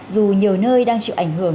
dù nhiều nơi đang chịu ảnh hưởng